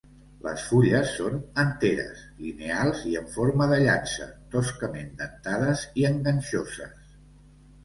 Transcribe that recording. Les fulles són enteres, lineals i en forma de llança, toscament dentades i enganxoses.